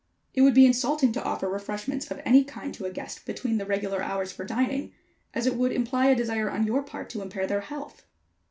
It would be insulting to offer refreshments of any kind to a guest between the regular hours for dining, as it would imply a desire on your part to impair their health.